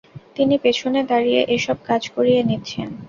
তিনি পেছনে দাঁড়িয়ে এ-সব কাজ করিয়ে নিচ্ছেন।